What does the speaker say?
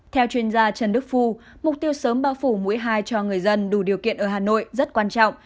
theo chuyên gia trần đức phu mục tiêu sớm bao phủ mũi hai cho người dân đủ điều kiện ở hà nội rất quan trọng